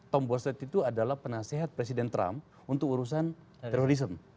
tombosit itu adalah penasehat presiden trump untuk urusan terorisme